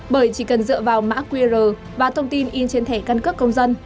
bởi chỉ cần dựa vào mã qr và thông tin in trên thẻ căn cước công dân